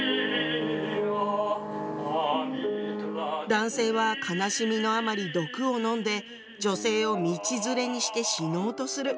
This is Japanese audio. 男性は悲しみのあまり毒を飲んで女性を道連れにして死のうとする。